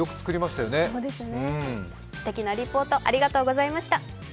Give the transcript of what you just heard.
すてきなリポート、ありがとうございました。